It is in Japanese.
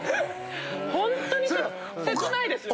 ホントに切ないですよ。